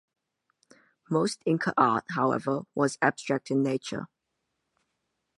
Most Inca art, however, was abstract in nature.